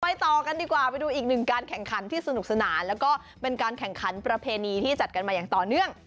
ต่อกันดีกว่าไปดูอีกหนึ่งการแข่งขันที่สนุกสนานแล้วก็เป็นการแข่งขันประเพณีที่จัดกันมาอย่างต่อเนื่อง